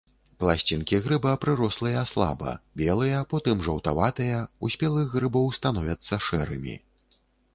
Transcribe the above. Пласцінкі грыба прырослыя слаба, белыя, потым жаўтаватыя, у спелых грыбоў становяцца шэрымі.